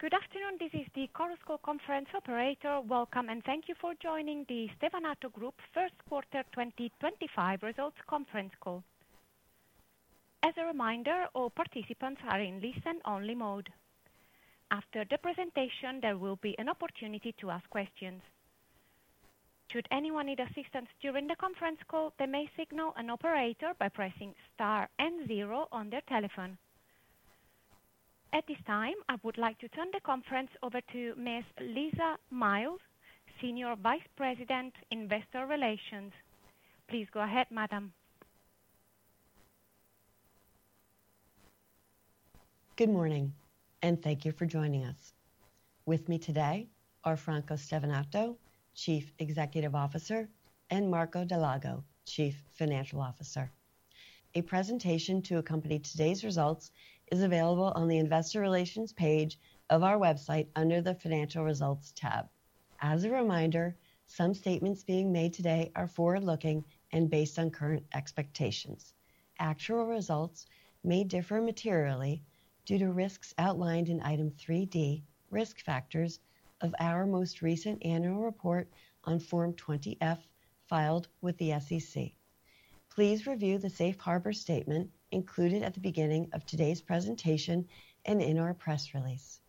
Good afternoon, this is the Chorus Call conference operator. Welcome and thank you for joining the Stevanato Group First Quarter 2025 Results Conference Call. As a reminder, all participants are in listen-only mode. After the presentation, there will be an opportunity to ask questions. Should anyone need assistance during the conference call, they may signal an operator by pressing star and zero on their telephone. At this time, I would like to turn the conference over to Ms. Lisa Miles, Senior Vice President, Investor Relations. Please go ahead, Madam. Good morning, and thank you for joining us. With me today are Franco Stevanato, Chief Executive Officer, and Marco Dal Lago, Chief Financial Officer. A presentation to accompany today's results is available on the Investor Relations page of our website under the Financial Results tab. As a reminder, some statements being made today are forward-looking and based on current expectations. Actual results may differ materially due to risks outlined in item 3D, risk factors, of our most recent annual report on Form 20-F filed with the SEC. Please review the Safe Harbor Statement included at the beginning of today's presentation and in our press release.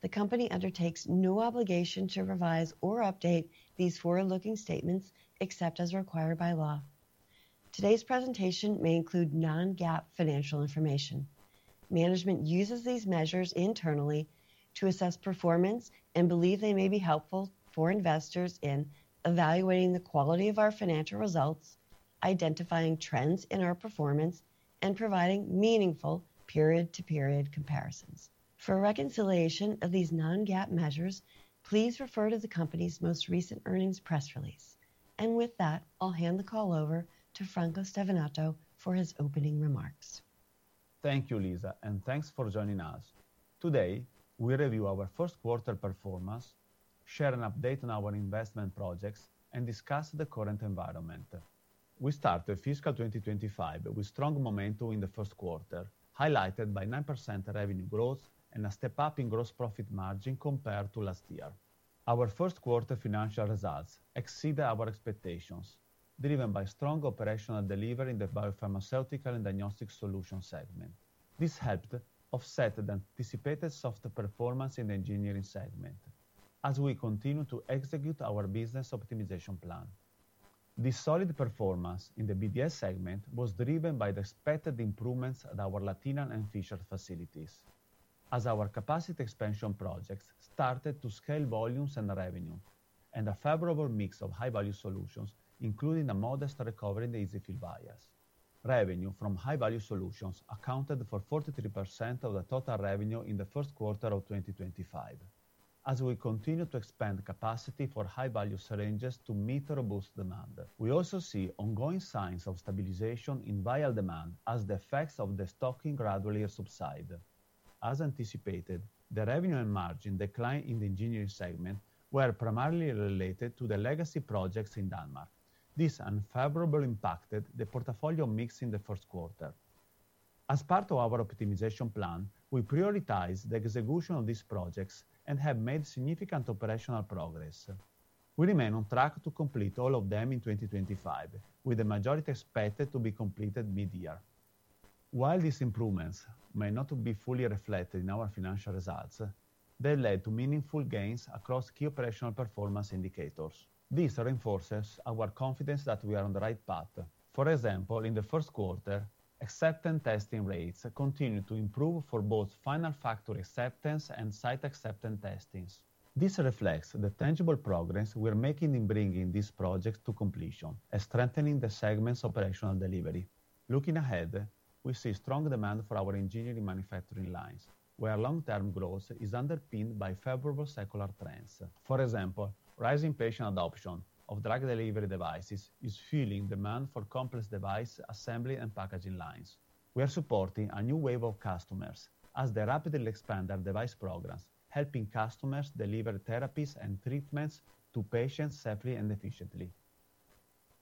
The company undertakes no obligation to revise or update these forward-looking statements except as required by law. Today's presentation may include non-GAAP financial information. Management uses these measures internally to assess performance and believe they may be helpful for investors in evaluating the quality of our financial results, identifying trends in our performance, and providing meaningful period-to-period comparisons. For reconciliation of these non-GAAP measures, please refer to the company's most recent earnings press release. With that, I'll hand the call over to Franco Stevanato for his opening remarks. Thank you, Lisa, and thanks for joining us. Today, we review our first quarter performance, share an update on our investment projects, and discuss the current environment. We started fiscal 2025 with strong momentum in the first quarter, highlighted by 9% revenue growth and a step-up in gross profit margin compared to last year. Our first quarter financial results exceeded our expectations, driven by strong operational delivery in the biopharmaceutical and diagnostic solution segment. This helped offset the anticipated soft performance in the engineering segment, as we continue to execute our business optimization plan. This solid performance in the BDS segment was driven by the expected improvements at our Latina and Fishers facilities, as our capacity expansion projects started to scale volumes and revenue, and a favorable mix of high-value solutions, including a modest recovery in the easy-fill vials. Revenue from high-value solutions accounted for 43% of the total revenue in the first quarter of 2025, as we continue to expand capacity for high-value syringes to meet robust demand. We also see ongoing signs of stabilization in vial demand, as the effects of the stocking gradually subside. As anticipated, the revenue and margin decline in the engineering segment were primarily related to the legacy projects in Denmark. This unfavorably impacted the portfolio mix in the first quarter. As part of our optimization plan, we prioritized the execution of these projects and have made significant operational progress. We remain on track to complete all of them in 2025, with the majority expected to be completed mid-year. While these improvements may not be fully reflected in our financial results, they led to meaningful gains across key operational performance indicators. This reinforces our confidence that we are on the right path. For example, in the first quarter, acceptance testing rates continued to improve for both final factory acceptance and site acceptance testing. This reflects the tangible progress we are making in bringing these projects to completion and strengthening the segment's operational delivery. Looking ahead, we see strong demand for our engineering manufacturing lines, where long-term growth is underpinned by favorable secular trends. For example, rising patient adoption of drug delivery devices is fueling demand for complex device assembly and packaging lines. We are supporting a new wave of customers as they rapidly expand their device programs, helping customers deliver therapies and treatments to patients safely and efficiently.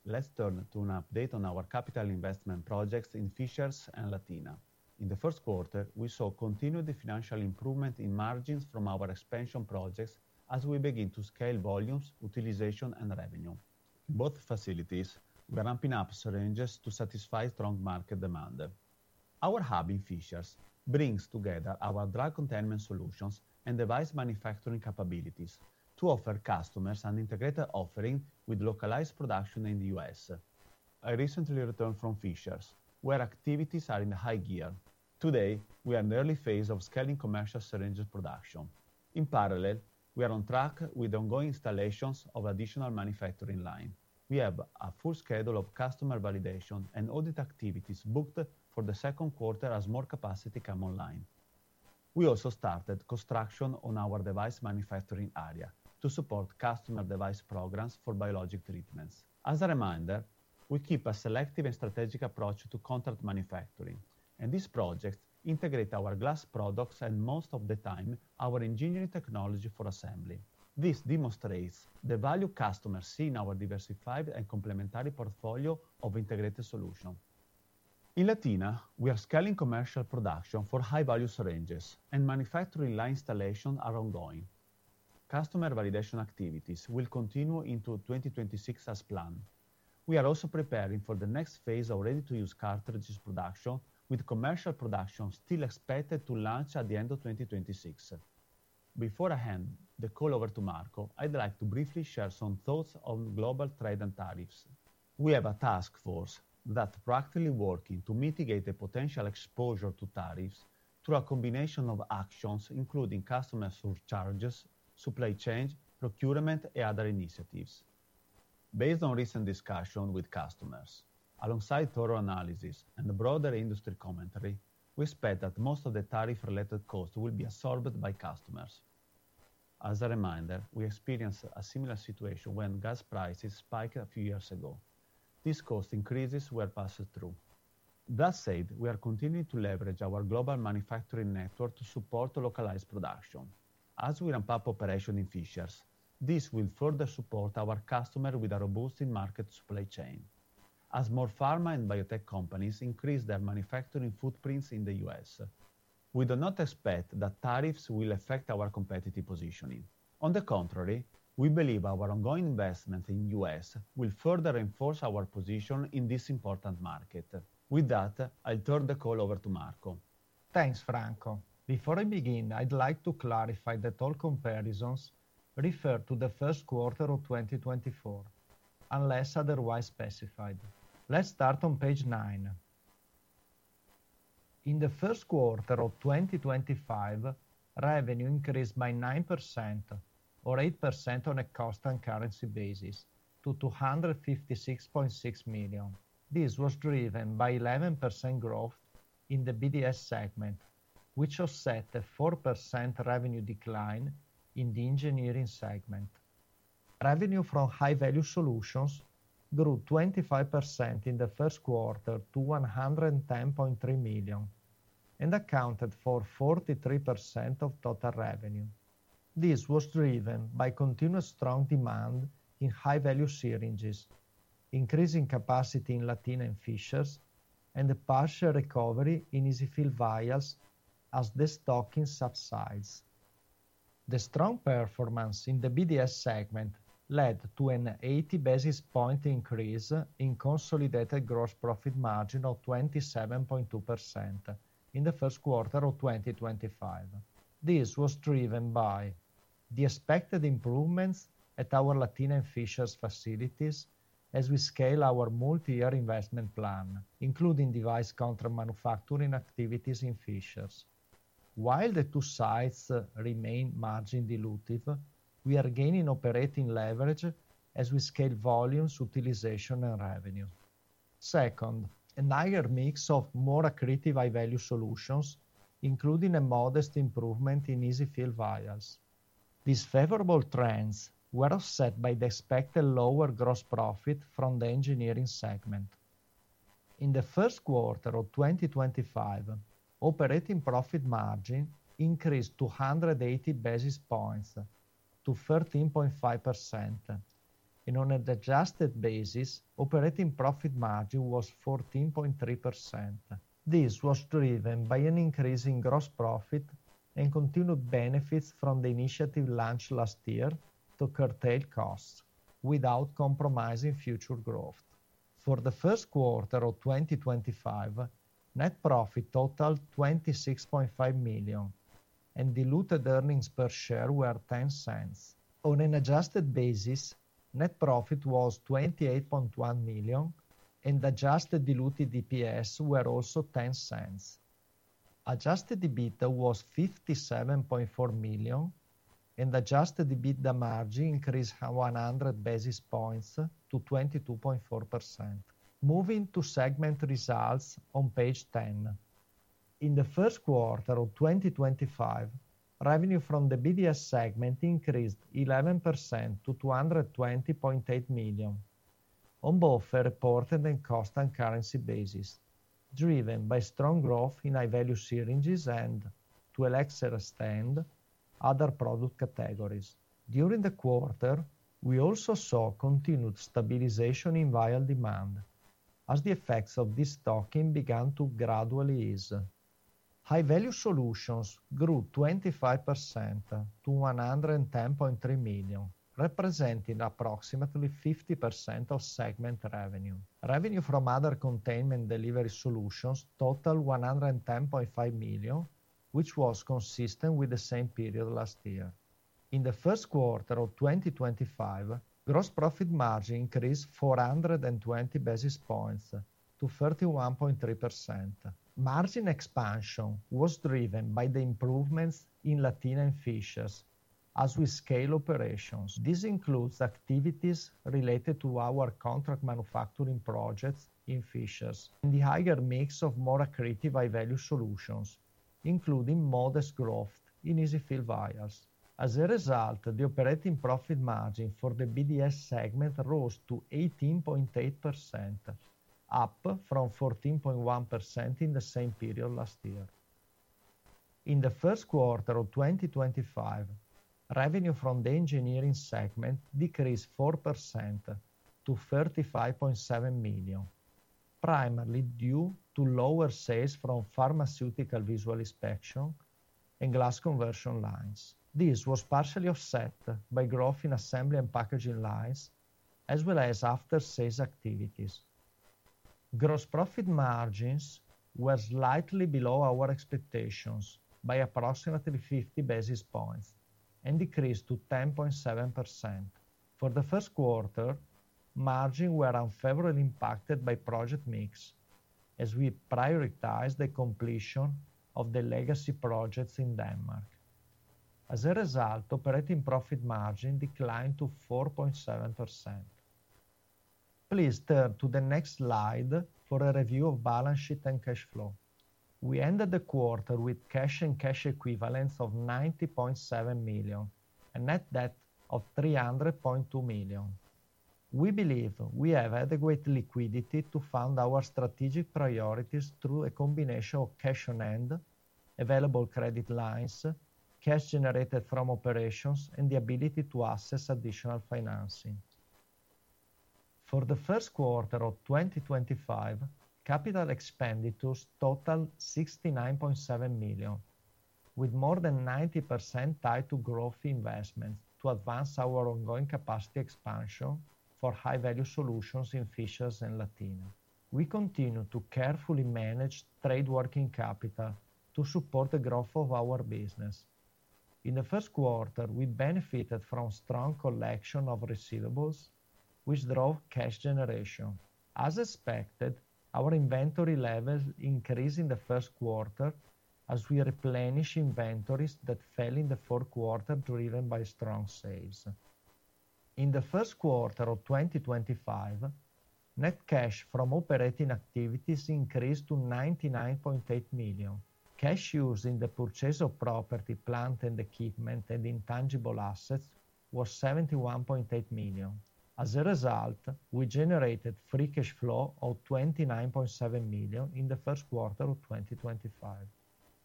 Let's turn to an update on our capital investment projects in Fishers and Latina. In the first quarter, we saw continued financial improvement in margins from our expansion projects as we began to scale volumes, utilization, and revenue. Both facilities were ramping up syringes to satisfy strong market demand. Our hub in Fishers brings together our drug containment solutions and device manufacturing capabilities to offer customers an integrated offering with localized production in the U.S.. I recently returned from Fishers, where activities are in high gear. Today, we are in the early phase of scaling commercial syringe production. In parallel, we are on track with ongoing installations of additional manufacturing lines. We have a full schedule of customer validation and audit activities booked for the second quarter as more capacity comes online. We also started construction on our device manufacturing area to support customer device programs for biologic treatments. As a reminder, we keep a selective and strategic approach to contract manufacturing, and these projects integrate our glass products and, most of the time, our engineering technology for assembly. This demonstrates the value customers see in our diversified and complementary portfolio of integrated solutions. In Latina, we are scaling commercial production for high-value syringes, and manufacturing line installations are ongoing. Customer validation activities will continue into 2026 as planned. We are also preparing for the next phase of ready-to-use cartridges production, with commercial production still expected to launch at the end of 2026. Before I hand the call over to Marco, I'd like to briefly share some thoughts on global trade and tariffs. We have a task force that's practically working to mitigate the potential exposure to tariffs through a combination of actions, including customer surcharges, supply chain procurement, and other initiatives. Based on recent discussions with customers, alongside thorough analysis and broader industry commentary, we expect that most of the tariff-related costs will be absorbed by customers. As a reminder, we experienced a similar situation when gas prices spiked a few years ago. These cost increases were passed through. That said, we are continuing to leverage our global manufacturing network to support localized production. As we ramp up operations in Fishers, this will further support our customers with a robust in-market supply chain. As more pharma and biotech companies increase their manufacturing footprints in the U.S., we do not expect that tariffs will affect our competitive positioning. On the contrary, we believe our ongoing investment in the U.S. will further reinforce our position in this important market. With that, I'll turn the call over to Marco. Thanks, Franco. Before I begin, I'd like to clarify that all comparisons refer to the first quarter of 2024, unless otherwise specified. Let's start on page 9. In the first quarter of 2024, revenue increased by 9% or 8% on a cost and currency basis to 256.6 million. This was driven by 11% growth in the BDS segment, which offset the 4% revenue decline in the engineering segment. Revenue from high-value solutions grew 25% in the first quarter to 110.3 million and accounted for 43% of total revenue. This was driven by continued strong demand in high-value syringes, increasing capacity in Latina and Fishers, and a partial recovery in easy fill vials as the stocking subsides. The strong performance in the BDS segment led to an 80 basis point increase in consolidated gross profit margin of 27.2% in the first quarter of 2025. This was driven by the expected improvements at our Latina and Fishers facilities as we scale our multi-year investment plan, including device contract manufacturing activities in Fishers. While the two sites remain margin-dilutive, we are gaining operating leverage as we scale volumes, utilization, and revenue. Second, a higher mix of more accretive high-value solutions, including a modest improvement in easy fill vials. These favorable trends were offset by the expected lower gross profit from the engineering segment. In the first quarter of 2025, operating profit margin increased 280 basis points to 13.5%. On an adjusted basis, operating profit margin was 14.3%. This was driven by an increase in gross profit and continued benefits from the initiative launched last year to curtail costs without compromising future growth. For the first quarter of 2025, net profit totaled 26.5 million, and diluted earnings per share were 0.10. On an adjusted basis, net profit was 28.1 million, and adjusted diluted EPS were also 0.10. Adjusted EBITDA was 57.4 million, and adjusted EBITDA margin increased 100 basis points to 22.4%. Moving to segment results on page 10. In the first quarter of 2025, revenue from the BDS segment increased 11% to 220.8 million, on both a reported and cost and currency basis, driven by strong growth in high-value syringes and, to a lesser extent, other product categories. During the quarter, we also saw continued stabilization in vial demand, as the effects of this stocking began to gradually ease. High-value solutions grew 25% to 110.3 million, representing approximately 50% of segment revenue. Revenue from other containment delivery solutions totaled 110.5 million, which was consistent with the same period last year. In the first quarter of 2025, gross profit margin increased 420 basis points to 31.3%. Margin expansion was driven by the improvements in Latina and Fishers as we scale operations. This includes activities related to our contract manufacturing projects in Fishers and the higher mix of more accretive high-value solutions, including modest growth in easy fill vials. As a result, the operating profit margin for the BDS segment rose to 18.8%, up from 14.1% in the same period last year. In the first quarter of 2025, revenue from the engineering segment decreased 4% to 35.7 million, primarily due to lower sales from pharmaceutical visual inspection and glass conversion lines. This was partially offset by growth in assembly and packaging lines, as well as after-sales activities. Gross profit margins were slightly below our expectations by approximately 50 basis points and decreased to 10.7%. For the first quarter, margins were unfavorably impacted by project mix, as we prioritized the completion of the legacy projects in Denmark. As a result, operating profit margin declined to 4.7%. Please turn to the next slide for a review of balance sheet and cash flow. We ended the quarter with cash and cash equivalents of 90.7 million and net debt of 300.2 million. We believe we have adequate liquidity to fund our strategic priorities through a combination of cash on hand, available credit lines, cash generated from operations, and the ability to access additional financing. For the first quarter of 2025, capital expenditures totaled 69.7 million, with more than 90% tied to growth investments to advance our ongoing capacity expansion for high-value solutions in Fishers and Latina. We continue to carefully manage trade working capital to support the growth of our business. In the first quarter, we benefited from a strong collection of receivables, which drove cash generation. As expected, our inventory levels increased in the first quarter as we replenished inventories that fell in the fourth quarter, driven by strong sales. In the first quarter of 2025, net cash from operating activities increased to 99.8 million. Cash used in the purchase of property, plant and equipment, and intangible assets was 71.8 million. As a result, we generated free cash flow of 29.7 million in the first quarter of 2025.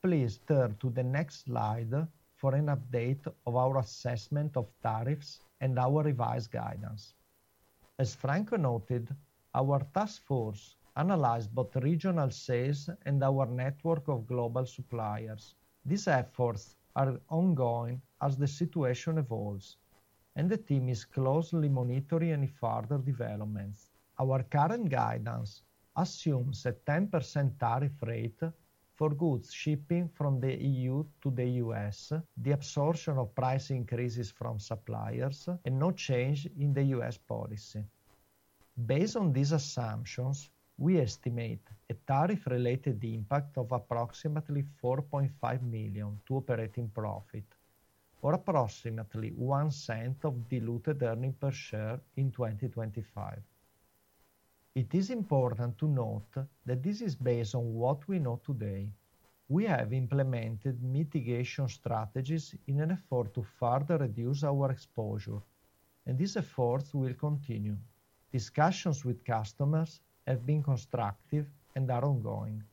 Please turn to the next slide for an update of our assessment of tariffs and our revised guidance. As Franco noted, our task force analyzed both regional sales and our network of global suppliers. These efforts are ongoing as the situation evolves, and the team is closely monitoring any further developments. Our current guidance assumes a 10% tariff rate for goods shipping from the EU to the U.S., the absorption of price increases from suppliers, and no change in the U.S. policy. Based on these assumptions, we estimate a tariff-related impact of approximately 4.5 million to operating profit, or approximately 0.01 of diluted earnings per share in 2025. It is important to note that this is based on what we know today. We have implemented mitigation strategies in an effort to further reduce our exposure, and these efforts will continue. Discussions with customers have been constructive and are ongoing.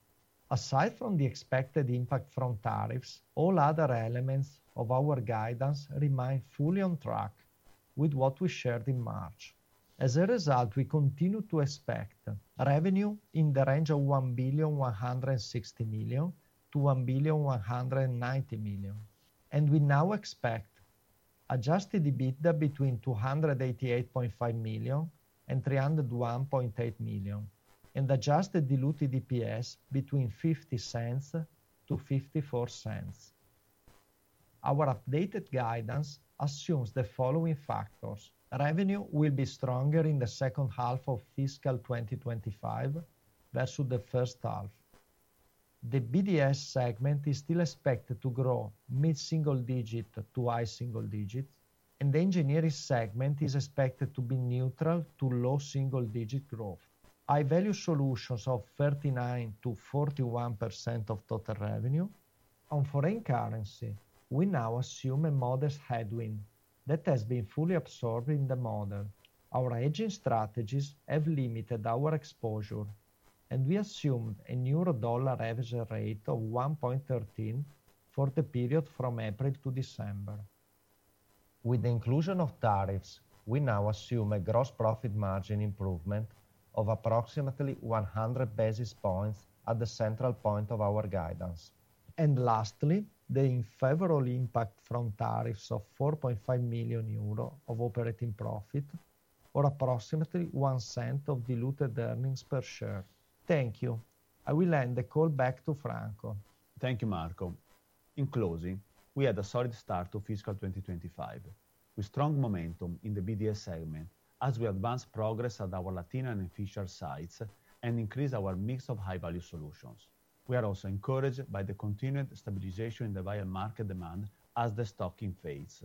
Aside from the expected impact from tariffs, all other elements of our guidance remain fully on track with what we shared in March. As a result, we continue to expect revenue in the range of 1.160 billion-1.190 billion, and we now expect adjusted EBITDA between 288.5 million-301.8 million, and adjusted diluted EPS between 0.50-0.54. Our updated guidance assumes the following factors: revenue will be stronger in the second half of fiscal 2025 versus the first half. The BDS segment is still expected to grow mid-single digit to high single digit, and the engineering segment is expected to be neutral to low single digit growth. High-value solutions of 39%-41% of total revenue. On foreign currency, we now assume a modest headwind that has been fully absorbed in the model. Our hedging strategies have limited our exposure, and we assumed a euro/dollar average rate of 1.13 for the period from April to December. With the inclusion of tariffs, we now assume a gross profit margin improvement of approximately 100 basis points at the central point of our guidance. Lastly, the unfavorable impact from tariffs of 4.5 million euro of operating profit, or approximately 0.01 of diluted earnings per share. Thank you. I will end the call back to Franco. Thank you, Marco. In closing, we had a solid start to fiscal 2025 with strong momentum in the BDS segment as we advance progress at our Latina and Fishers sites and increase our mix of high-value solutions. We are also encouraged by the continued stabilization in the vial market demand as the stocking fades.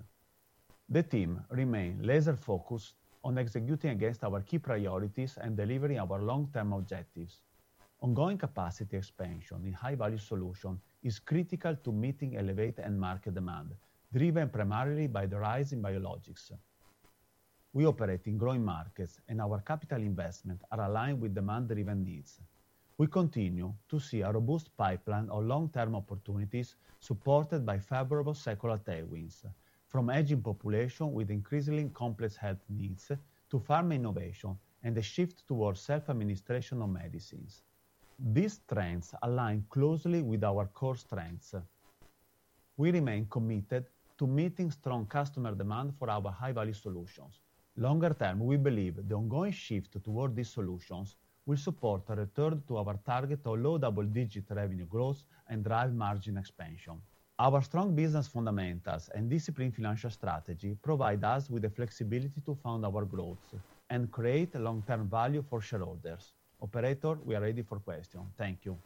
The team remains laser-focused on executing against our key priorities and delivering our long-term objectives. Ongoing capacity expansion in high-value solutions is critical to meeting elevated end-market demand, driven primarily by the rise in biologics. We operate in growing markets, and our capital investments are aligned with demand-driven needs. We continue to see a robust pipeline of long-term opportunities supported by favorable secular tailwinds, from aging population with increasingly complex health needs to pharma innovation and a shift towards self-administration of medicines. These trends align closely with our core strengths. We remain committed to meeting strong customer demand for our high-value solutions. Longer term, we believe the ongoing shift toward these solutions will support a return to our target of low double-digit revenue growth and drive margin expansion. Our strong business fundamentals and disciplined financial strategy provide us with the flexibility to fund our growth and create long-term value for shareholders. Operator, we are ready for questions. Thank you.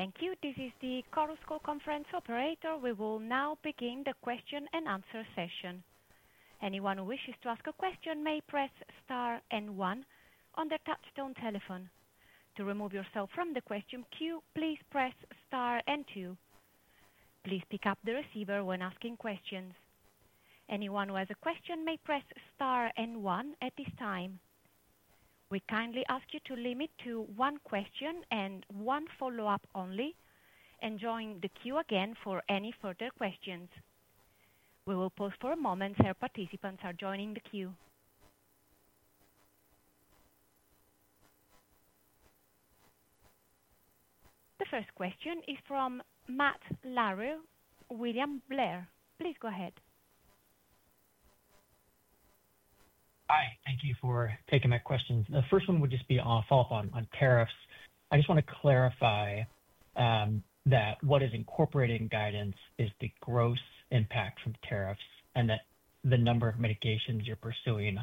Thank you. This is the Chorus Call Conference Operator. We will now begin the question and answer session. Anyone who wishes to ask a question may press Star and One on the touch-tone telephone. To remove yourself from the question queue, please press Star and Two. Please pick up the receiver when asking questions. Anyone who has a question may press Star and One at this time. We kindly ask you to limit to one question and one follow-up only, and join the queue again for any further questions. We will pause for a moment as our participants are joining the queue. The first question is from Matt Larew, William Blair. Please go ahead. Hi. Thank you for taking my questions. The first one would just be a follow-up on tariffs. I just want to clarify that what is incorporated in guidance is the gross impact from tariffs and that the number of mitigations you're pursuing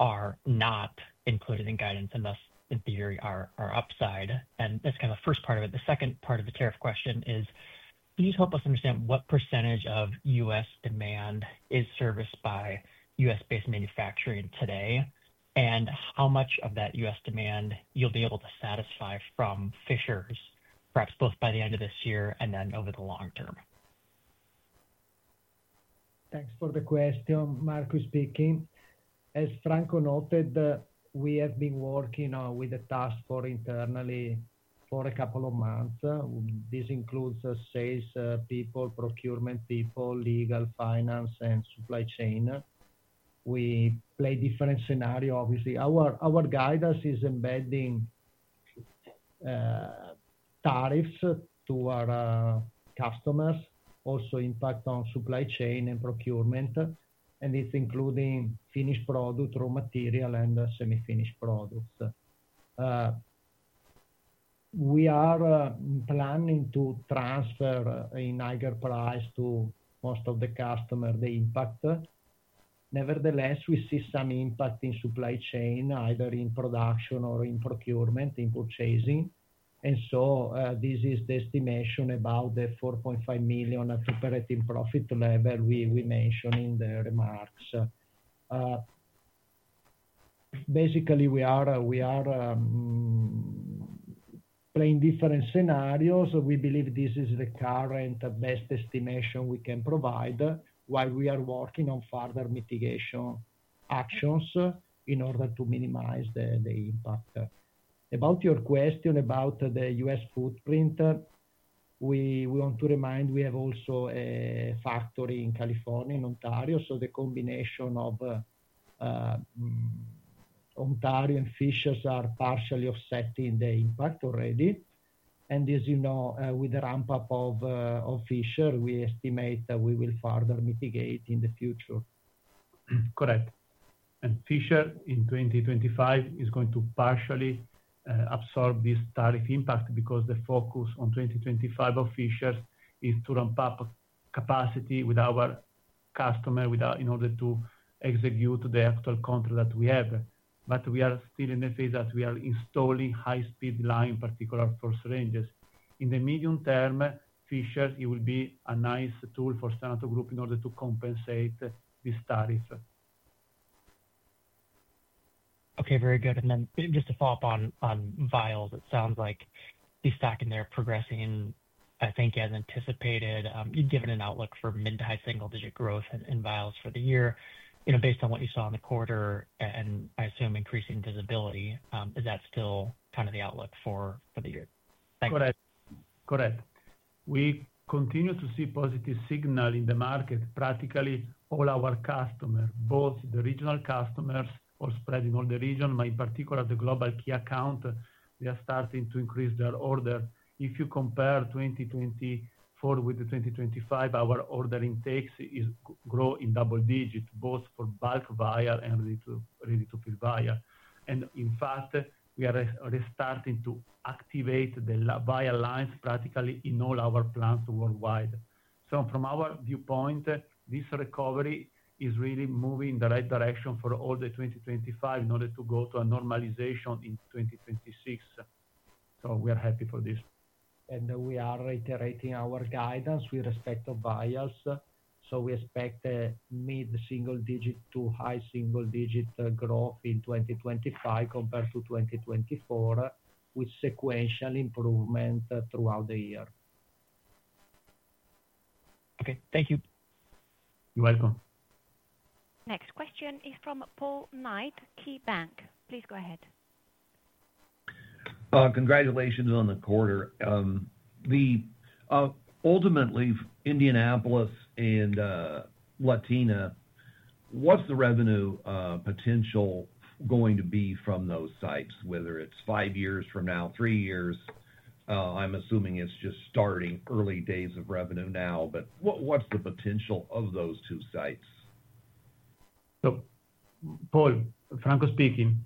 are not included in guidance and thus, in theory, are upside. That is kind of the first part of it. The second part of the tariff question is, can you help us understand what percentage of U.S. demand is serviced by U.S.-based manufacturing today, and how much of that U.S. demand you'll be able to satisfy from Fishers, perhaps both by the end of this year and then over the long term? Thanks for the question. Marco speaking. As Franco noted, we have been working with the task force internally for a couple of months. This includes sales people, procurement people, legal, finance, and supply chain. We play different scenarios, obviously. Our guidance is embedding tariffs to our customers, also impact on supply chain and procurement, and it is including finished product, raw material, and semi-finished products. We are planning to transfer in higher price to most of the customers the impact. Nevertheless, we see some impact in supply chain, either in production or in procurement, in purchasing. This is the estimation about the 4.5 million at operating profit level we mentioned in the remarks. Basically, we are playing different scenarios. We believe this is the current best estimation we can provide while we are working on further mitigation actions in order to minimize the impact. About your question about the U.S. footprint, we want to remind we have also a factory in California, in Ontario. The combination of Ontario and Fishers are partially offsetting the impact already. As you know, with the ramp-up of Fishers, we estimate that we will further mitigate in the future. Correct. Fishers in 2025 is going to partially absorb this tariff impact because the focus on 2025 of Fishers is to ramp up capacity with our customer in order to execute the actual contract that we have. We are still in the phase that we are installing high-speed line, particularly for syringes. In the medium term, Fishers, it will be a nice tool for Stevanato Group in order to compensate this tariff. Okay. Very good. Then just to follow up on vials, it sounds like the stack in there progressing, I think, as anticipated, given an outlook for mid to high single-digit growth in vials for the year. Based on what you saw in the quarter and I assume increasing visibility, is that still kind of the outlook for the year? Correct. Correct. We continue to see positive signal in the market. Practically all our customers, both the regional customers or spread in all the region, but in particular the global key account, they are starting to increase their order. If you compare 2024 with 2025, our order intakes grow in double digit, both for bulk vial and ready-to-fill vial. In fact, we are starting to activate the vial lines practically in all our plants worldwide. From our viewpoint, this recovery is really moving in the right direction for all the 2025 in order to go to a normalization in 2026. We are happy for this. We are iterating our guidance with respect to vials. We expect mid-single digit to high single-digit growth in 2025 compared to 2024, with sequential improvement throughout the year. Okay. Thank you. You're welcome. Next question is from Paul Knight, KeyBanc. Please go ahead. Congratulations on the quarter. Ultimately, Indianapolis and Latina, what's the revenue potential going to be from those sites, whether it's five years from now, three years? I'm assuming it's just starting early days of revenue now, but what's the potential of those two sites? Paul, Franco speaking.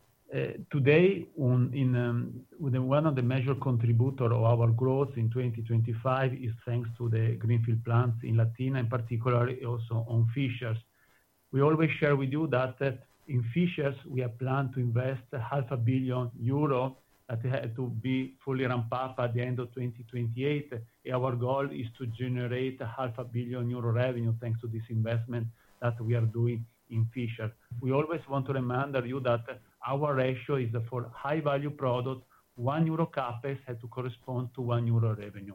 Today, one of the major contributors of our growth in 2025 is thanks to the greenfield plants in Latina, in particular also on Fishers. We always share with you that in Fishers, we have planned to invest 500 million euro to be fully ramp-up at the end of 2028. Our goal is to generate 500 million euro revenue thanks to this investment that we are doing in Fishers. We always want to remind you that our ratio is for high-value product, one euro CapEx had to correspond to one euro revenue.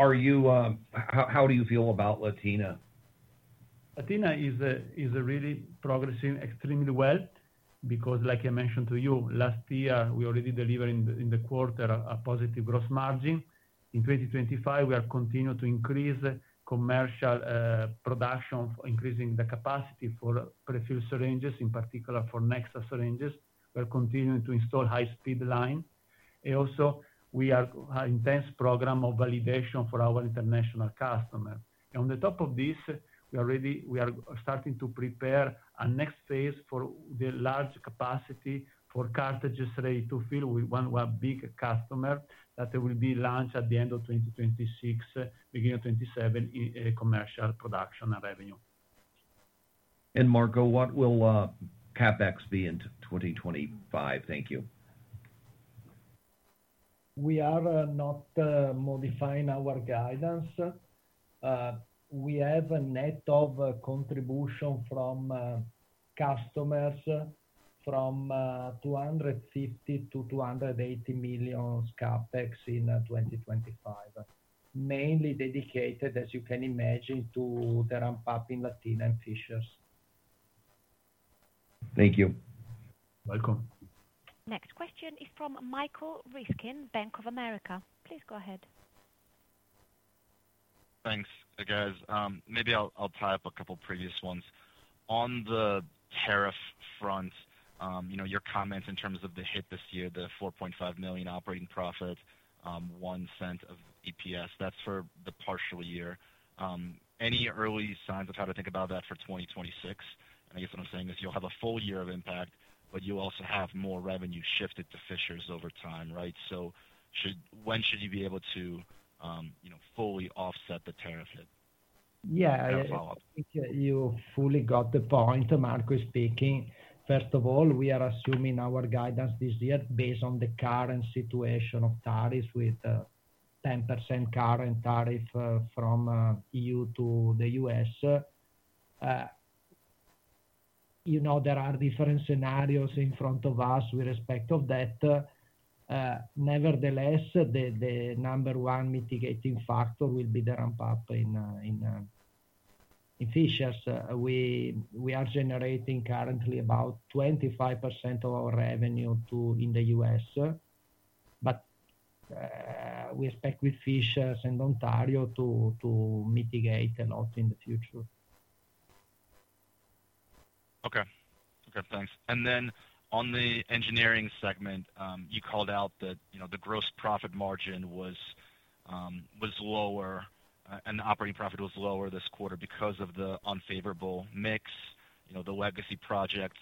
How do you feel about Latina? Latina is really progressing extremely well because, like I mentioned to you, last year, we already delivered in the quarter a positive gross margin. In 2025, we are continuing to increase commercial production, increasing the capacity for refill syringes, in particular for NEXA syringes. We are continuing to install high-speed line. We are in a dense program of validation for our international customers. On the top of this, we are starting to prepare a next phase for the large capacity for cartridges ready-to-fill. We want one big customer that will be launched at the end of 2026, beginning of 2027, commercial production and revenue. Marco, what will CapEx be in 2025? Thank you. We are not modifying our guidance. We have a net of contribution from customers from 250 million-280 million CapEx in 2025, mainly dedicated, as you can imagine, to the ramp-up in Latina and Fishers. Thank you. Welcome. Next question is from Michael Riskin, Bank of America. Please go ahead. Thanks, guys. Maybe I'll tie up a couple of previous ones. On the tariff front, your comments in terms of the hit this year, the 4.5 million operating profit, 0.01 of EPS, that's for the partial year. Any early signs of how to think about that for 2026? I guess what I'm saying is you'll have a full year of impact, but you'll also have more revenue shifted to Fishers over time, right? When should you be able to fully offset the tariff hit? Yeah. I think you fully got the point, Marco speaking. First of all, we are assuming our guidance this year based on the current situation of tariffs with 10% current tariff from EU to the U.S.. There are different scenarios in front of us with respect of that. Nevertheless, the number one mitigating factor will be the ramp-up in Fishers. We are generating currently about 25% of our revenue in the U.S., but we expect with Fishers and Ontario to mitigate a lot in the future. Okay. Okay. Thanks. Then on the engineering segment, you called out that the gross profit margin was lower and the operating profit was lower this quarter because of the unfavorable mix, the legacy projects.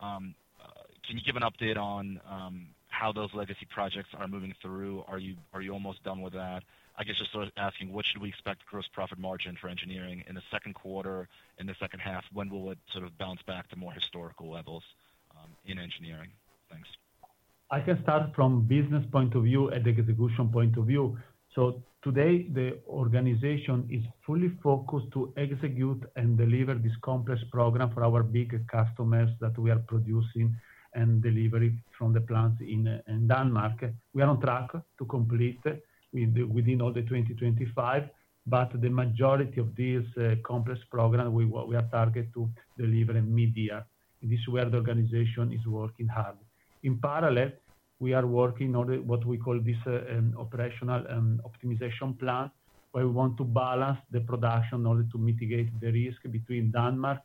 Can you give an update on how those legacy projects are moving through? Are you almost done with that? I guess just sort of asking, what should we expect gross profit margin for engineering in the second quarter, in the second half? When will it sort of bounce back to more historical levels in engineering? Thanks. I can start from a business point of view, execution point of view. Today, the organization is fully focused to execute and deliver this complex program for our big customers that we are producing and delivering from the plants in Denmark. We are on track to complete within all of 2025, but the majority of this complex program, we are targeted to deliver in mid-year. This is where the organization is working hard. In parallel, we are working on what we call this operational optimization plan where we want to balance the production in order to mitigate the risk between Denmark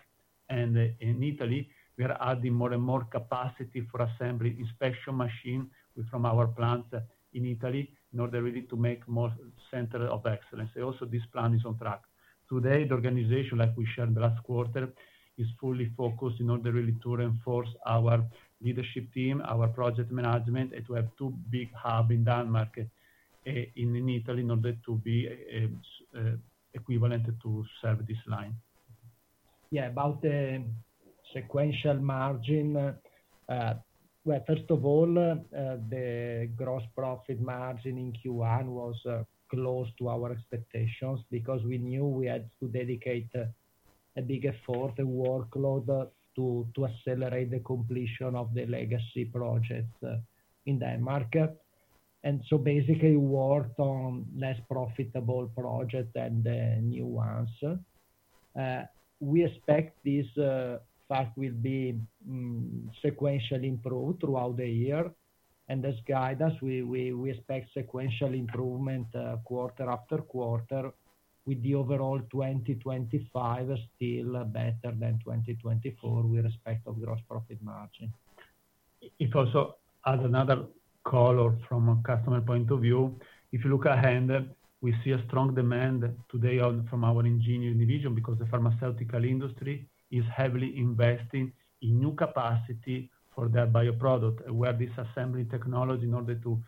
and Italy. We are adding more and more capacity for assembly inspection machine from our plants in Italy in order really to make more center of excellence. Also, this plan is on track. Today, the organization, like we shared the last quarter, is fully focused in order really to reinforce our leadership team, our project management, and to have two big hubs in Denmark and in Italy in order to be equivalent to serve this line. Yeah. About the sequential margin, first of all, the gross profit margin in Q1 was close to our expectations because we knew we had to dedicate a big effort, a workload to accelerate the completion of the legacy projects in Denmark. Basically, we worked on less profitable projects and new ones. We expect this fact will be sequentially improved throughout the year. As guidance, we expect sequential improvement quarter after quarter with the overall 2025 still better than 2024 with respect to gross profit margin. If I also add another color from a customer point of view, if you look ahead, we see a strong demand today from our engineering division because the pharmaceutical industry is heavily investing in new capacity for their bioproduct, where this assembly technology in order to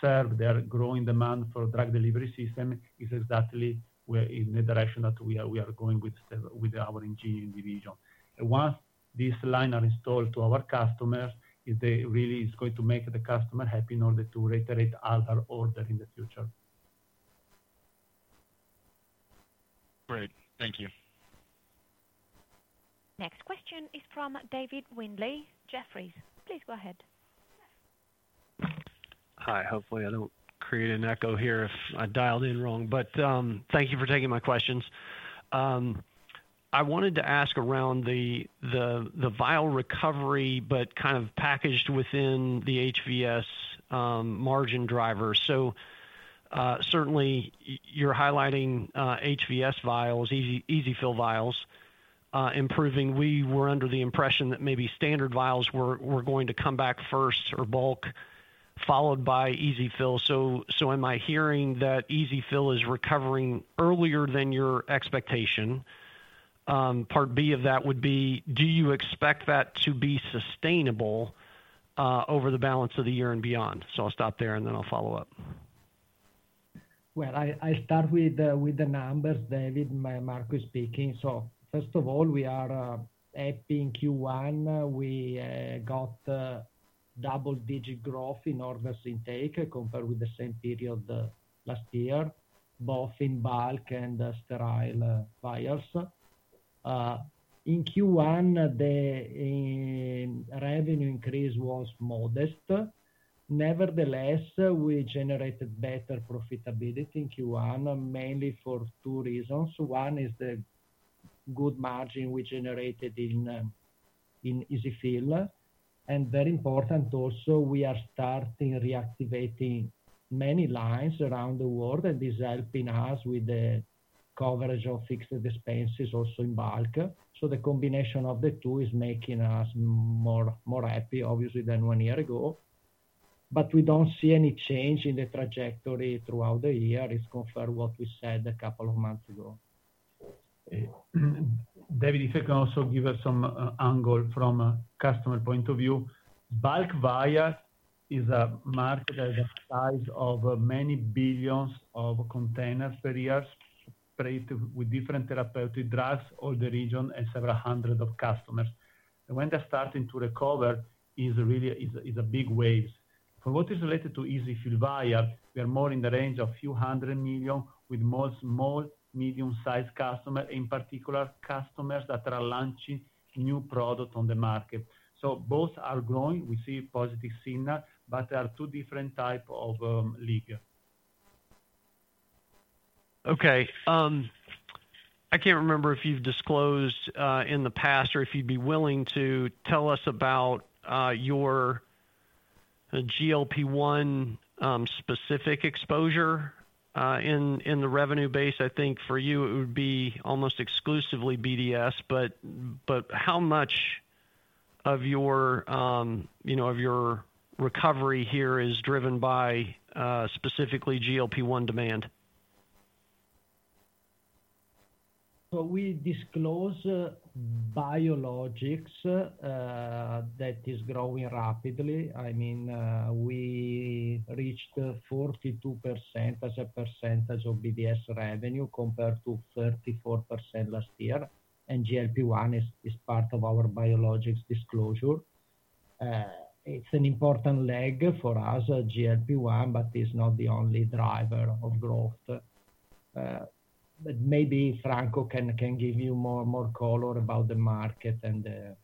serve their growing demand for drug delivery system is exactly in the direction that we are going with our engineering division. Once this line is installed to our customers, it really is going to make the customer happy in order to reiterate other orders in the future. Great. Thank you. Next question is from David Windley. Jefferies, please go ahead. Hi. Hopefully, I don't create an echo here if I dialed in wrong. Thank you for taking my questions. I wanted to ask around the vial recovery, but kind of packaged within the HVS margin driver. Certainly, you're highlighting HVS vials, easy-fill vials, improving. We were under the impression that maybe standard vials were going to come back first or bulk, followed by easy-fill. Am I hearing that easy-fill is recovering earlier than your expectation? Part B of that would be, do you expect that to be sustainable over the balance of the year and beyond? I'll stop there, and then I'll follow up. I start with the numbers, David, Marco speaking. First of all, we are happy in Q1. We got double-digit growth in orders intake compared with the same period last year, both in bulk and sterile vials. In Q1, the revenue increase was modest. Nevertheless, we generated better profitability in Q1, mainly for two reasons. One is the good margin we generated in easy-fill. Very important also, we are starting reactivating many lines around the world, and this is helping us with the coverage of fixed expenses also in bulk. The combination of the two is making us more happy, obviously, than one year ago. We do not see any change in the trajectory throughout the year, as compared to what we said a couple of months ago. David, if you can also give us some angle from a customer point of view. Bulk vial is a market that has a size of many billions of containers per year with different therapeutic drugs for the region and several hundreds of customers. When they're starting to recover, it's a big wave. For what is related to easy-fill vial, we are more in the range of a few hundred million with most small, medium-sized customers, in particular customers that are launching new products on the market. Both are growing. We see positive signals, but there are two different types of league. Okay. I can't remember if you've disclosed in the past or if you'd be willing to tell us about your GLP-1 specific exposure in the revenue base. I think for you, it would be almost exclusively BDS, but how much of your recovery here is driven by specifically GLP-1 demand? We disclose biologics that are growing rapidly. I mean, we reached 42% as a percentage of BDS revenue compared to 34% last year. GLP-1 is part of our biologics disclosure. It's an important leg for us, GLP-1, but it's not the only driver of growth. Maybe Franco can give you more color about the market and the—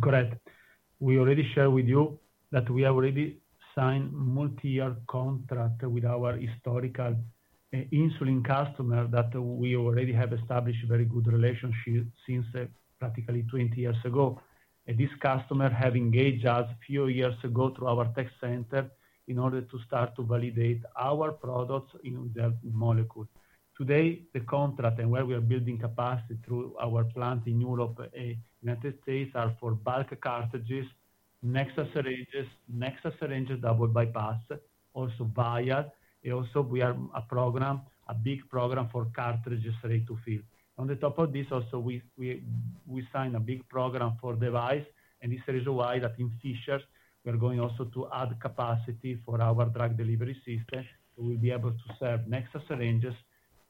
correct. We already shared with you that we have already signed a multi-year contract with our historical insulin customer that we have established a very good relationship with since practically 20 years ago. This customer has engaged us a few years ago through our tech center in order to start to validate our products in their molecule. Today, the contract and where we are building capacity through our plant in Europe and the United States are for bulk cartridges, NEXA syringes, NEXA syringes double bypass, also vial. We have a program, a big program for cartridges ready-to-fill. On top of this, also, we signed a big program for devices. This is the reason why in Fishers, we are going also to add capacity for our drug delivery system so we'll be able to serve NEXA syringes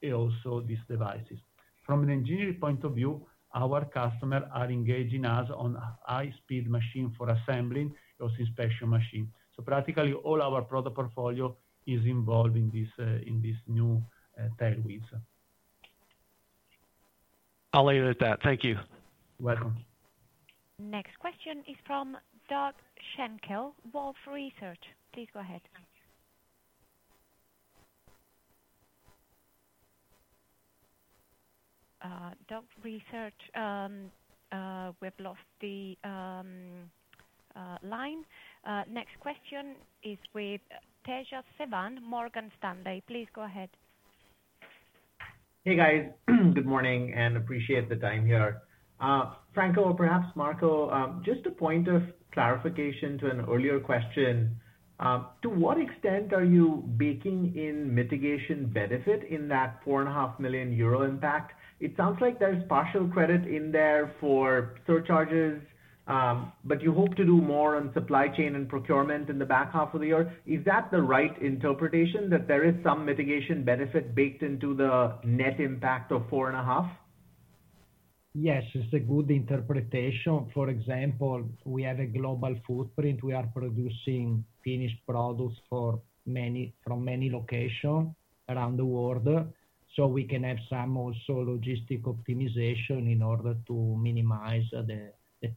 and also these devices. From an engineering point of view, our customers are engaging us on high-speed machines for assembling, also inspection machines. Practically all our product portfolio is involved in this new tech week. I'll leave it at that. Thank you. You're welcome. Next question is from Doug Schenkel, Wolfe Research. Please go ahead. Doug Schenkel, we've lost the line. Next question is with Tejas Savant, Morgan Stanley. Please go ahead. Hey, guys. Good morning and appreciate the time here. Franco, perhaps Marco, just a point of clarification to an earlier question. To what extent are you baking in mitigation benefit in that 4.5 million euro impact? It sounds like there's partial credit in there for surcharges, but you hope to do more on supply chain and procurement in the back half of the year. Is that the right interpretation that there is some mitigation benefit baked into the net impact of 4.5 million? Yes, it's a good interpretation. For example, we have a global footprint. We are producing finished products from many locations around the world. We can have some also logistic optimization in order to minimize the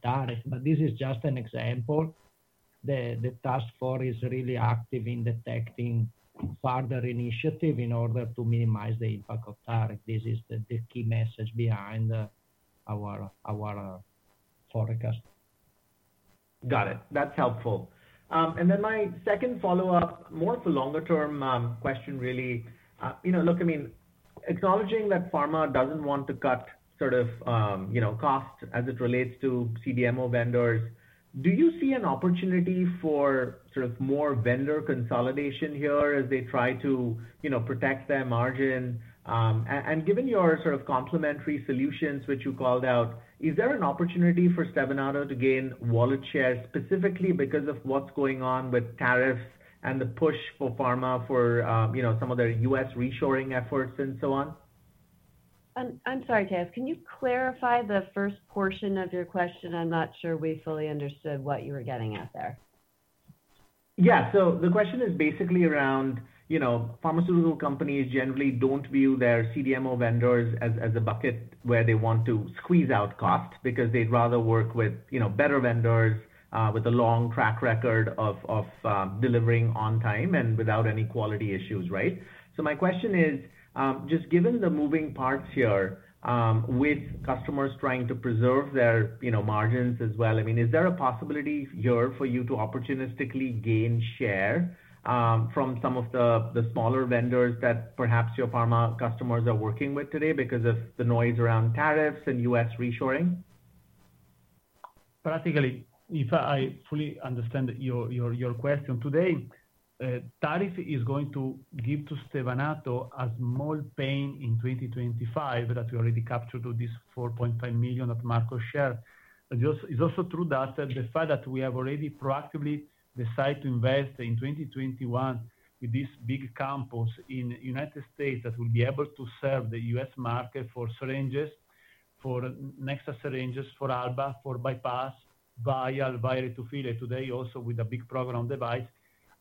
tariff. This is just an example. The task force is really active in detecting further initiatives in order to minimize the impact of tariff. This is the key message behind our forecast. Got it. That's helpful. My second follow-up, more for longer-term question, really. Look, I mean, acknowledging that Pharma doesn't want to cut sort of cost as it relates to CDMO vendors, do you see an opportunity for sort of more vendor consolidation here as they try to protect their margin? Given your sort of complementary solutions, which you called out, is there an opportunity for Stevanato to gain wallet share specifically because of what's going on with tariffs and the push for Pharma for some of their U.S. reshoring efforts and so on? I'm sorry, Tejas. Can you clarify the first portion of your question? I'm not sure we fully understood what you were getting at there. Yeah. The question is basically around pharmaceutical companies generally do not view their CDMO vendors as a bucket where they want to squeeze out cost because they would rather work with better vendors with a long track record of delivering on time and without any quality issues, right? My question is, just given the moving parts here with customers trying to preserve their margins as well, I mean, is there a possibility here for you to opportunistically gain share from some of the smaller vendors that perhaps your Pharma customers are working with today because of the noise around tariffs and U.S. reshoring? Practically, if I fully understand your question, today, tariff is going to give to Stevanato a small pain in 2025 that we already captured with this 4.5 million of market share. It's also true that the fact that we have already proactively decided to invest in 2021 with this big campus in the United States that will be able to serve the U.S. market for NEXA syringes, for Alba, for bypass, vial, vial-to-fill today also with a big program device,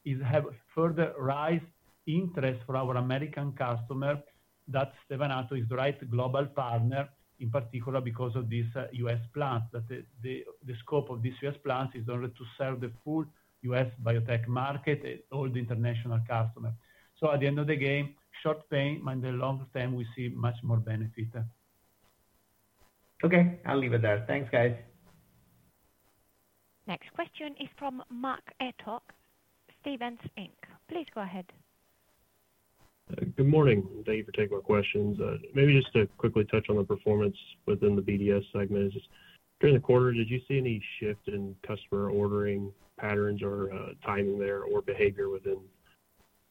it has further raised interest for our American customer that Stevanato is the right global partner, in particular because of this U.S. plant. The scope of this U.S. plant is in order to serve the full U.S. biotech market and all the international customers. At the end of the game, short pain, and in the longer term, we see much more benefit. Okay. I'll leave it there. Thanks, guys. Next question is from Mac Etoch, Stephens Inc. Please go ahead. Good morning. Thank you for taking my questions. Maybe just to quickly touch on the performance within the BDS segment. During the quarter, did you see any shift in customer ordering patterns or timing there or behavior within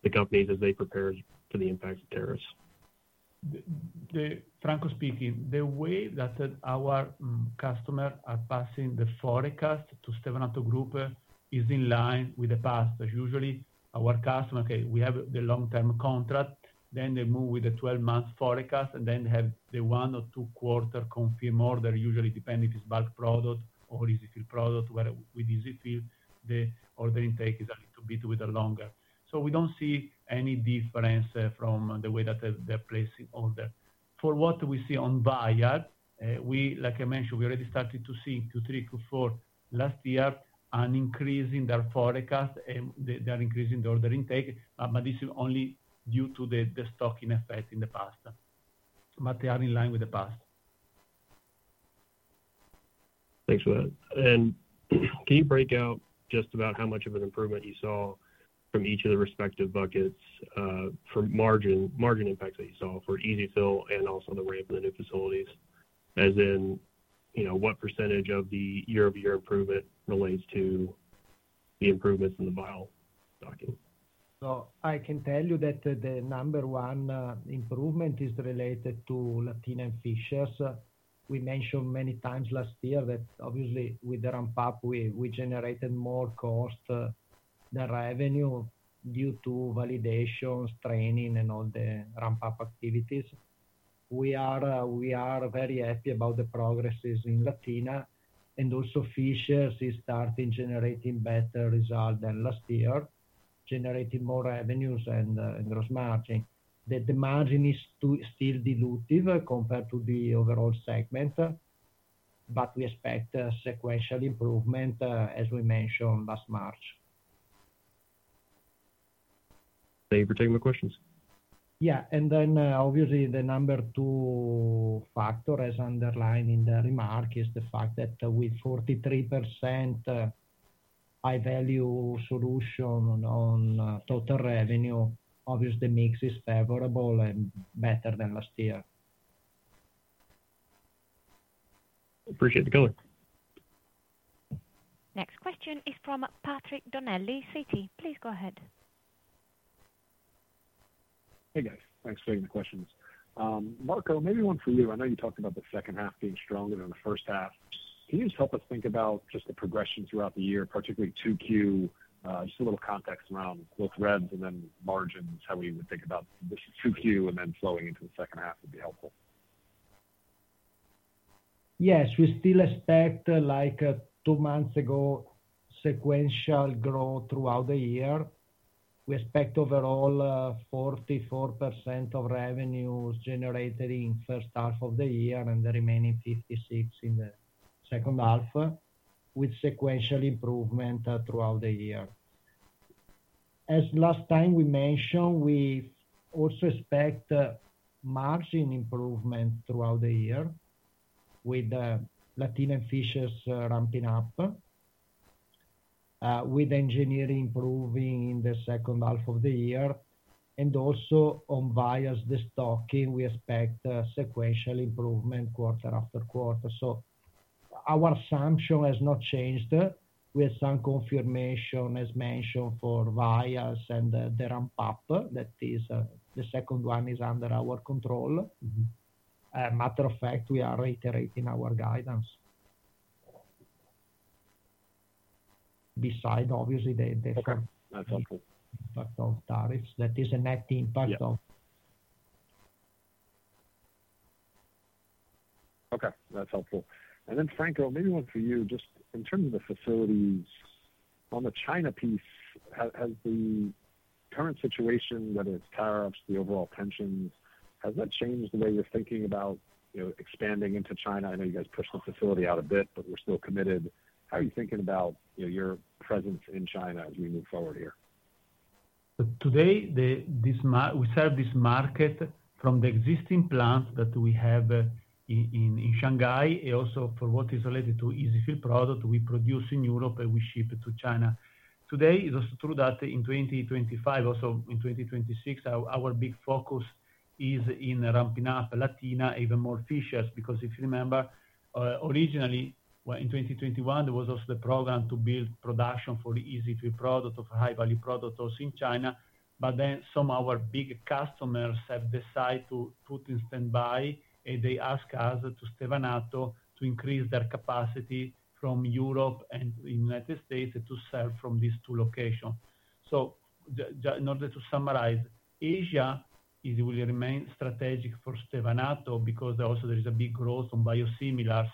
the companies as they prepared for the impact of tariffs? Franco speaking, the way that our customers are passing the forecast to Stevanato Group is in line with the past. Usually, our customers, okay, we have the long-term contract, then they move with the 12-month forecast, and then they have the one or two-quarter confirm order, usually depending if it's bulk product or easy-fill product, where with easy-fill, the order intake is a little bit longer. We do not see any difference from the way that they're placing order. For what we see on vial, like I mentioned, we already started to see Q3, Q4 last year an increase in their forecast, and they're increasing the order intake, but this is only due to the stocking effect in the past. They are in line with the past. Thanks, Wes. Can you break out just about how much of an improvement you saw from each of the respective buckets for margin impacts that you saw for easy-fill and also the ramp in the new facilities? As in, what percentage of the year-over-year improvement relates to the improvements in the vial stocking? I can tell you that the number one improvement is related to Latina and Fishers. We mentioned many times last year that obviously, with the ramp-up, we generated more cost than revenue due to validations, training, and all the ramp-up activities. We are very happy about the progresses in Latina, and also Fishers is starting generating better results than last year, generating more revenues and gross margin. The margin is still dilutive compared to the overall segment, but we expect sequential improvement, as we mentioned last March. Thank you for taking my questions. Yeah. The number two factor, as underlined in the remark, is the fact that with 43% high-value solution on total revenue, the mix is favorable and better than last year. Appreciate the color. Next question is from Patrick Donnelly, Citi. Please go ahead. Hey, guys. Thanks for taking the questions. Marco, maybe one for you. I know you talked about the second half being stronger than the first half. Can you just help us think about just the progression throughout the year, particularly Q2, just a little context around both reps and then margins, how we would think about this Q2 and then slowing into the second half would be helpful. Yes. We still expect like two months ago sequential growth throughout the year. We expect overall 44% of revenue generated in the first half of the year and the remaining 56% in the second half with sequential improvement throughout the year. As last time we mentioned, we also expect margin improvement throughout the year with Latina and Fishers ramping up, with engineering improving in the second half of the year. Also on vials, the stocking, we expect sequential improvement quarter after quarter. Our assumption has not changed. We have some confirmation, as mentioned, for vials and the ramp-up. That is, the second one is under our control. As a matter of fact, we are reiterating our guidance beside, obviously, the effect of tariffs. That is a net impact of. Okay. That's helpful. Franco, maybe one for you. Just in terms of the facilities, on the China piece, has the current situation, whether it's tariffs, the overall tensions, has that changed the way you're thinking about expanding into China? I know you guys pushed the facility out a bit, but we're still committed. How are you thinking about your presence in China as we move forward here? Today, we serve this market from the existing plants that we have in Shanghai. Also, for what is related to easy-fill product, we produce in Europe and we ship to China. Today, it is also true that in 2025, also in 2026, our big focus is in ramping up Latina and even more Fishers because if you remember, originally, in 2021, there was also the program to build production for easy-fill product of high-value products in China. Then some of our big customers have decided to put in standby, and they asked us, to Stevanato, to increase their capacity from Europe and the United States to serve from these two locations. In order to summarize, Asia will remain strategic for Stevanato because also there is a big growth on biosimilars.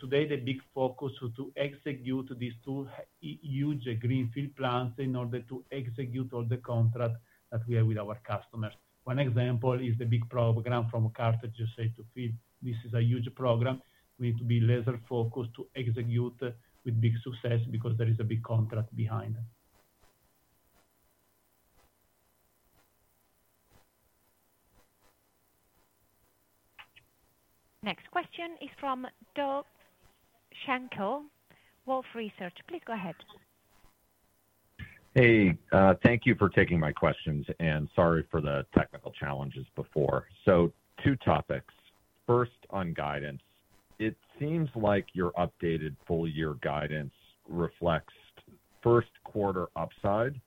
Today, the big focus is to execute these two huge greenfield plants in order to execute all the contracts that we have with our customers. One example is the big program from cartridges ready-to-fill. This is a huge program. We need to be laser-focused to execute with big success because there is a big contract behind it. Next question is from Doug Schenkel, Wolfe Research. Please go ahead. Hey. Thank you for taking my questions and sorry for the technical challenges before. Two topics. First, on guidance. It seems like your updated full-year guidance reflects first-quarter upside,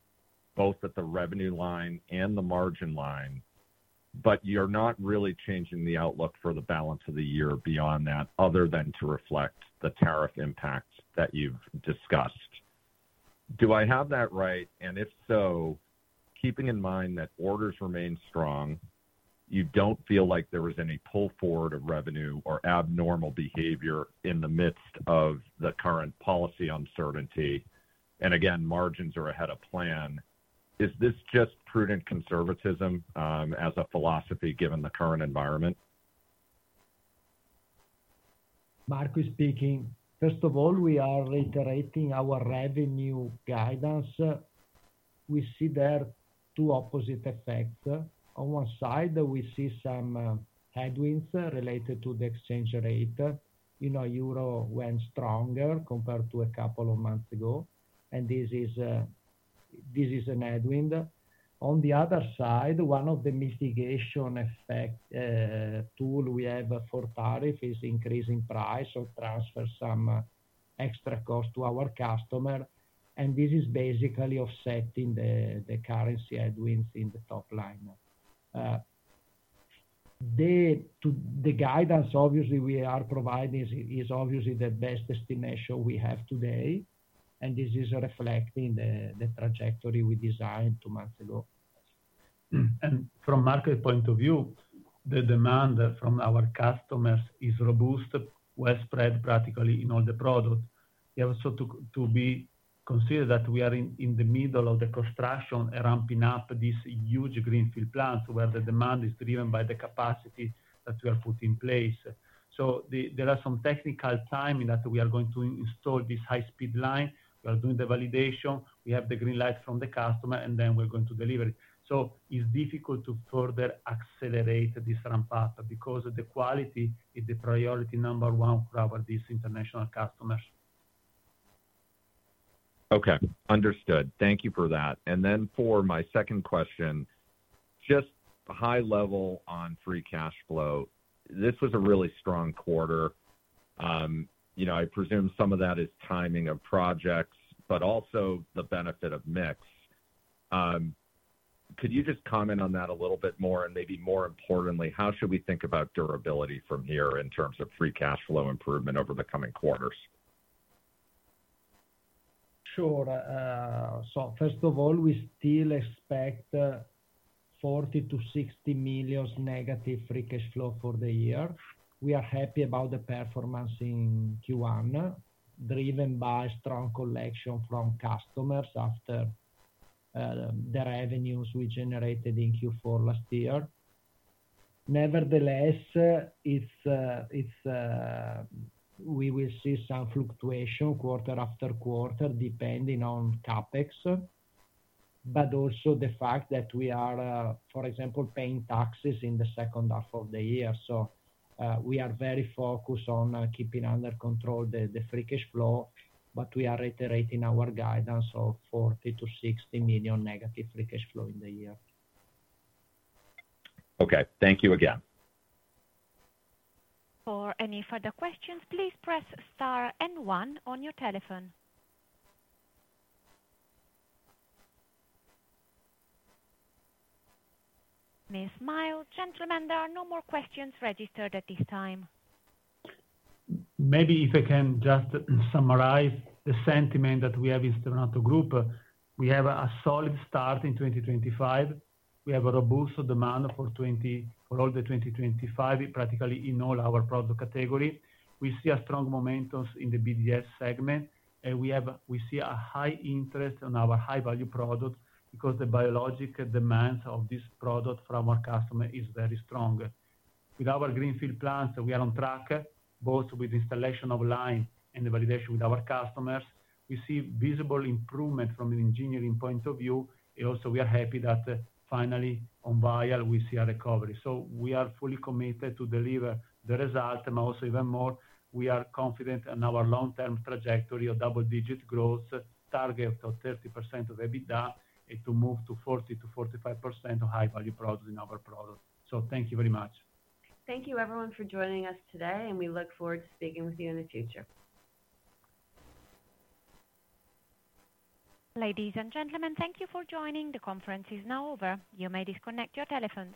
both at the revenue line and the margin line, but you're not really changing the outlook for the balance of the year beyond that other than to reflect the tariff impact that you've discussed. Do I have that right? If so, keeping in mind that orders remain strong, you don't feel like there was any pull forward of revenue or abnormal behavior in the midst of the current policy uncertainty, and again, margins are ahead of plan. Is this just prudent conservatism as a philosophy given the current environment? Marco speaking. First of all, we are reiterating our revenue guidance. We see there two opposite effects. On one side, we see some headwinds related to the exchange rate. Euro went stronger compared to a couple of months ago, and this is a headwind. On the other side, one of the mitigation effect tools we have for tariff is increasing price or transfer some extra cost to our customer. This is basically offsetting the currency headwinds in the top line. The guidance, obviously, we are providing is obviously the best estimation we have today, and this is reflecting the trajectory we designed two months ago. From Marco's point of view, the demand from our customers is robust, well spread practically in all the products. We have also to be considered that we are in the middle of the construction and ramping up these huge greenfield plants where the demand is driven by the capacity that we have put in place. There are some technical timing that we are going to install this high-speed line. We are doing the validation. We have the green light from the customer, and then we're going to deliver it. It is difficult to further accelerate this ramp-up because the quality is the priority number one for our international customers. Okay. Understood. Thank you for that. For my second question, just high level on free cash flow, this was a really strong quarter. I presume some of that is timing of projects, but also the benefit of mix. Could you just comment on that a little bit more? Maybe more importantly, how should we think about durability from here in terms of free cash flow improvement over the coming quarters? Sure. First of all, we still expect 40 million-60 million negative free cash flow for the year. We are happy about the performance in Q1, driven by strong collection from customers after the revenues we generated in Q4 last year. Nevertheless, we will see some fluctuation quarter after quarter depending on CapEx, but also the fact that we are, for example, paying taxes in the second half of the year. We are very focused on keeping under control the free cash flow, but we are reiterating our guidance of 40 million-60 million negative free cash flow in the year. Okay. Thank you again. For any further questions, please press star and one on your telephone. Ms. Miles, gentlemen, there are no more questions registered at this time. Maybe if I can just summarize the sentiment that we have in Stevanato Group, we have a solid start in 2025. We have a robust demand for all the 2025, practically in all our product categories. We see a strong momentum in the BDS segment, and we see a high interest on our high-value product because the biologic demand of this product from our customer is very strong. With our greenfield plants, we are on track, both with installation of line and the validation with our customers. We see visible improvement from an engineering point of view. We are happy that finally, on vial, we see a recovery. We are fully committed to deliver the result, but also even more, we are confident in our long-term trajectory of double-digit growth target of 30% of EBITDA and to move to 40-45% of high-value products in our product. Thank you very much. Thank you, everyone, for joining us today, and we look forward to speaking with you in the future. Ladies and gentlemen, thank you for joining. The conference is now over. You may disconnect your telephones.